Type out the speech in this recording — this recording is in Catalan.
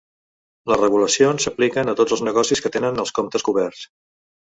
Les regulacions s'apliquen a tots els negocis que tenen els "comptes coberts".